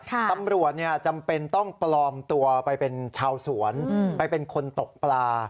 ตำรวจจำเป็นต้องปลอมตัวไปเป็นชาวสวนไปเป็นคนตกปลา